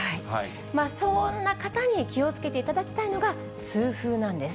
そんな方に気をつけていただきたいのが、痛風なんです。